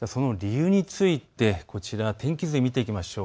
この理由について天気図で見ていきましょう。